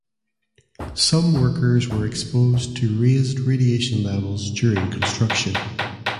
Some workers were exposed to raised radiation levels during construction.